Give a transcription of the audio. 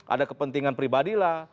ada kepentingan pribadi lah